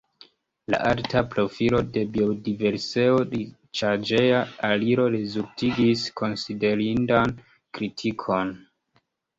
La alta profilo de biodiverseo-riĉaĵeja aliro rezultigis konsiderindan kritikon.